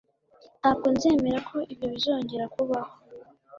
Ntabwo nzemera ko ibyo bizongera kubaho